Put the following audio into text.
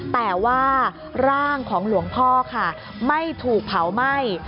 แต่ว่าร่างของหลวงพ่อค่ะไม่ถูกเผาไหม้